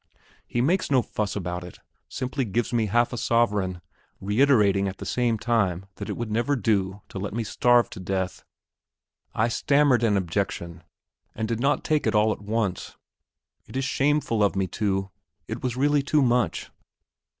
He makes no fuss about it, simply gives me half a sovereign, reiterating at the same time that it would never do to let me starve to death. I stammered an objection and did not take it all at once. It is shameful of me to ... it was really too much....